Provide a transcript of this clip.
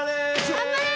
頑張れ！